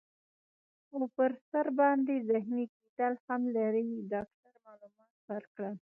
او پر سر باندي زخمي کیدل هم لري. ډاکټر معلومات ورکړل.